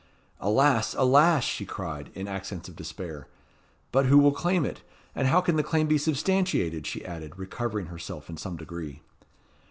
"Alas! alas!" she cried, in accents of despair. "But who will claim it? and how can the claim be substantiated?" she added, recovering herself in some degree.